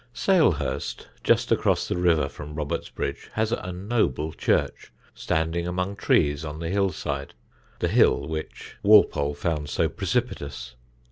Salehurst, just across the river from Robertsbridge, has a noble church, standing among trees on the hill side the hill which Walpole found so precipitous.